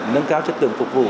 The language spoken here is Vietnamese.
nâng cao chất tượng phục vụ